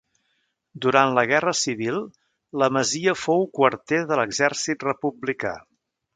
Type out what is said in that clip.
Durant la Guerra Civil la masia fou quarter de l'exèrcit republicà.